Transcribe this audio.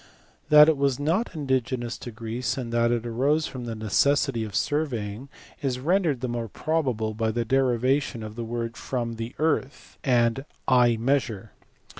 That it was not indigenous to Greece and that it arose from the necessity of surveying is rendered the more probable by the derivation of the word from yjj the earth and /tcrpcco I measure.